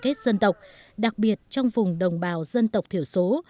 các dân tộc đặc biệt trong vùng đồng bào dân tộc thiểu số